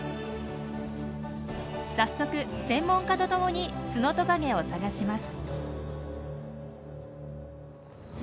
早速専門家と共にツノトカゲを探します。